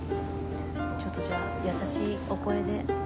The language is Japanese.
ちょっとじゃあ優しいお声で。